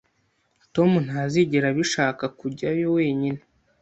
Tom ntazigera abishaka kujyayo wenyine